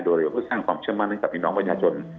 โดยเพื่อสร้างความเชื่อมั่นให้กับพี่น้องประชาชน